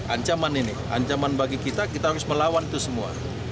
ancaman ini ancaman bagi kita kita harus melawan itu semua